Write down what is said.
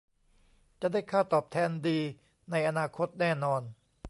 จะได้ค่าตอบแทนดีในอนาคตแน่นอน